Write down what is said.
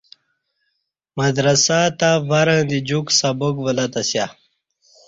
مدرسہ تہ ورں دی جوک سبق ولہ تسیا